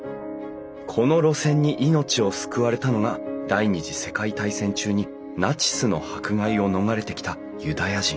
この路線に命を救われたのが第２次世界大戦中にナチスの迫害を逃れてきたユダヤ人。